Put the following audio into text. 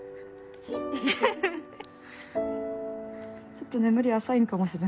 ちょっと眠り浅いのかもしれん。